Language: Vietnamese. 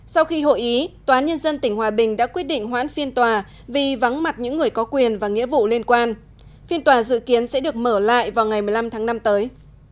sau khi hội ý tòa nhân dân tỉnh hòa bình đã quyết định hoãn phiên tòa vì vắng mặt những người có quyền và nghĩa vụ liên quan phiên tòa dự kiến sẽ được mở lại vào ngày một mươi năm tháng năm tới